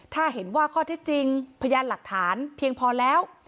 ถ้าเห็นว่าข้อที่จริงพยานหลักฐานเพียงพอแล้ว